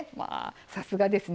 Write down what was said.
さすがですね